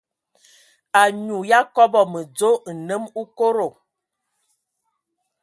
Anyu ya kɔbɔ mədzo, nnəm okodo.